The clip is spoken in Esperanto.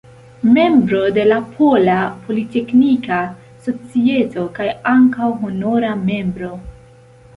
Membro de la Pola Politeknika Societo kaj ankaŭ honora membro.